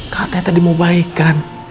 katanya tadi mau baik kan